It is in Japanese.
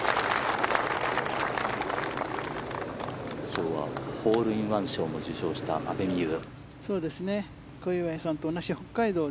今日はホールインワン賞も受賞した阿部未悠。